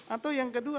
atau yang kedua